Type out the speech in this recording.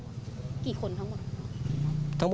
กี่คนทั้งหมด